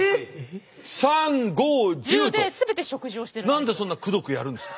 何でそんなくどくやるんですか？